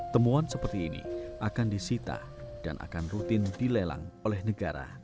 temuan seperti ini akan disita dan akan rutin dilelang oleh negara